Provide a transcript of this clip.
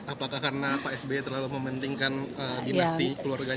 apakah karena pak sby terlalu mementingkan dimasti keluarganya